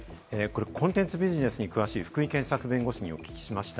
コンテンツビジネスに詳しい福井健策弁護士にお聞きしました。